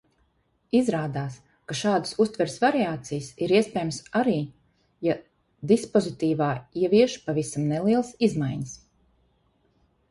Izrādās, ka šādas uztveres variācijas ir iespējams arī, ja dispozitīvā ievieš pavisam nelielas izmaiņas.